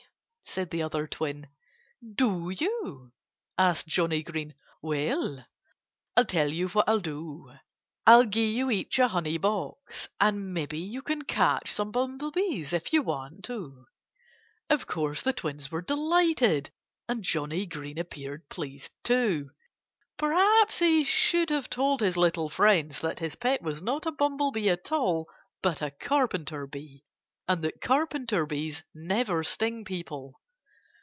said the other twin. "Do you?" asked Johnnie Green. "Well, I'll tell you what I'll do. I'll give you each a honey box. And maybe you can catch some bumblebees, if you want to." Of course, the twins were delighted. And Johnnie Green appeared pleased too. Perhaps he should have told his little friends that his pet was not a bumblebee at all but a carpenter bee and that carpenter bees never sting people.